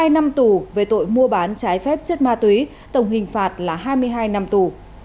hai năm tù về tội mua bán trái phép chất ma túy tổng hình phạt là hai mươi hai năm tù